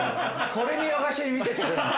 これ見よがしに見せてくるの。